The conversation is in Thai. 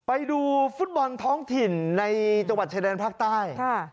ไปดูฟุตบอลท้องถิ่นในจังหวัดชายแดนภาคใต้